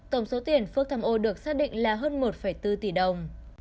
tổng số tiền phước tham ô được xác định là hơn một bốn tỷ đồng